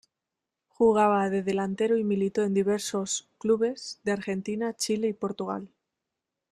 Jugaba de delantero y militó en diversos clubes de Argentina, Chile y Portugal.